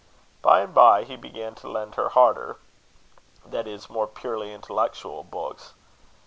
By and by he began to lend her harder, that is, more purely intellectual books.